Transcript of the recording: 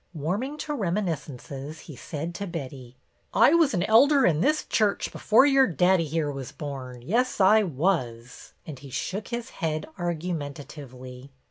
Warming to reminiscences he said to Betty, —" I was an elder in this church before your daddy here was born, yes I was ;" and he shook his head argumentatively.